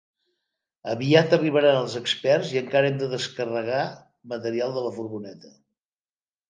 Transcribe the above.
Aviat arribaran els experts i encara hem de descarregar material de la furgoneta.